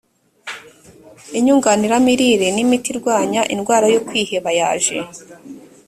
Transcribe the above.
inyunganiramirire n imiti irwanya indwara yo kwiheba yaje